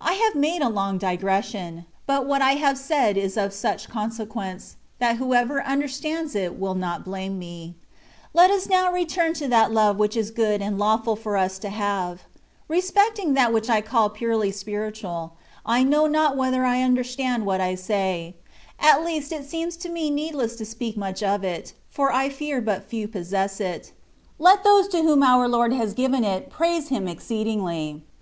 I HAVE made a long digression ; but what I have said is of such consequence, that whoever under stands it will not blame me. Let us now return to that love which is good and lawful for us to have. Respecting that which I call purely spiritual, I know not whether I understand what I say ; at least, it seems to me needless to speak much of it, for I fear but few possess it : let those to whom our Lord has given it praise Him ex ceedingly.